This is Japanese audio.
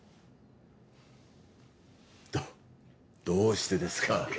どどうしてですか？